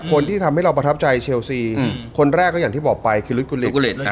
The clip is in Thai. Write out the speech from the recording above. คนที่ทำให้เราประทับใจเชลซีคนแรกก็อย่างที่บอกไปคือฤทธกุลีกุล